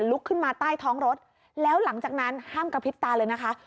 ลุกขึ้นมาใต้ท้องรถแล้วหลังจากนั้นห้ามกระพริบตาเลยนะคะ